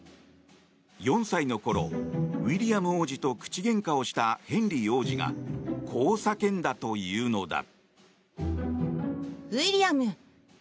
４歳のころ、ウィリアム王子と口げんかをしたヘンリー王子がこう叫んだというのだ。